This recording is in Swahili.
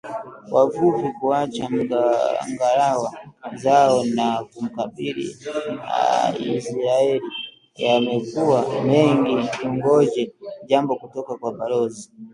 Wavuvi kuacha ngalawa zao na kumkabili Izraeli yamekuwa mengi tungoje jambo kutoka kwa balozi